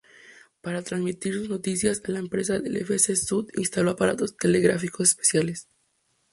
Para transmitir sus noticias la empresa del F. C. Sud instaló aparatos telegráfico especiales.